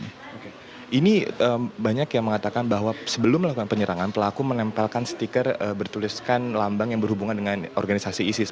oke ini banyak yang mengatakan bahwa sebelum melakukan penyerangan pelaku menempelkan stiker bertuliskan lambang yang berhubungan dengan organisasi isis